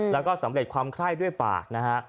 แล้วก็สำเร็จความไคร้ด้วยปากนะฮะ